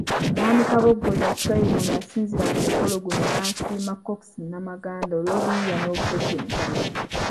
Mwami Kabogoza Simon yasinziira ku mukolo guno n’asiima Cox Namaganda olw'obuyiiya n’obutetenkanya.